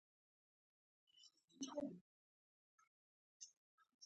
ښوروا د مور د لاس خوند لري.